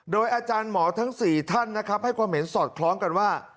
โดยอาจารย์หมอทั้ง๔ท่านนะครับให้ความเห็นสอดคล้องกันว่า